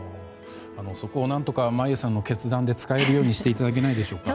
そこを何とか眞家さんの決断で使えるようにしていただけないでしょうか。